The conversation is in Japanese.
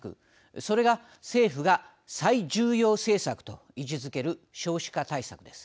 それが、政府が最重要政策と位置づける少子化対策です。